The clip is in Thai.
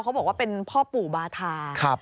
เขาบอกว่าเป็นพ่อปู่บาธา